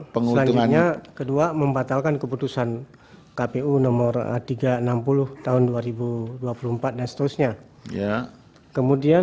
pada tps dua pasik